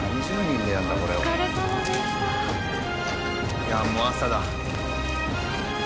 いやあもう朝だ。